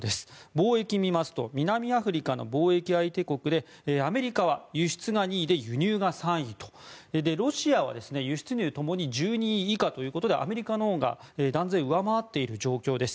貿易を見ますと南アフリカの貿易相手国でアメリカは輸出が２位で輸入が３位とロシアは輸出入ともに１２位以下ということでアメリカのほうが断然上回っている状況です。